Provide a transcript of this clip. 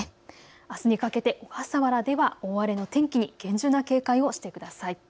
あすにかけて小笠原では大荒れの天気に厳重な警戒をしてください。